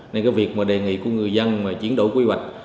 nên cái việc mà đề nghị của người dân mà chuyển đổi quy hoạch